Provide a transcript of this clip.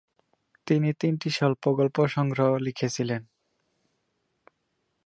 তিনি তিনটি স্বল্প-গল্প সংগ্রহ লিখেছিলেন।